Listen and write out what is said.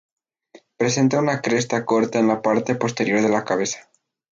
Presenta una cresta corta en la parte posterior de la cabeza.